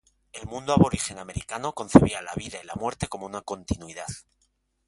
El mundo aborigen americano concebía la vida y la muerte como una continuidad.